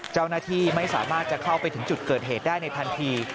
เจ้าหน้าที่ไม่สามารถจะเข้าไปถึงจุดเกิดเหตุได้ในทันที